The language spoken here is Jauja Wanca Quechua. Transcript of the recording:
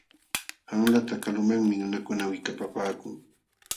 Qanlata kalumanmi nunakuna wikapapaakun.